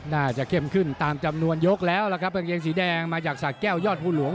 เข้มขึ้นตามจำนวนยกแล้วล่ะครับกางเกงสีแดงมาจากสะแก้วยอดภูหลวง